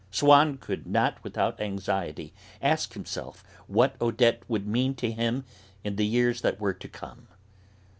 Swann could not without anxiety ask himself what Odette would mean to him in the years that were to come.